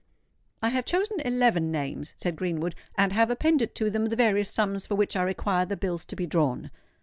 "I have chosen eleven names," said Greenwood; "and have appended to them the various sums for which I require the bills to be drawn.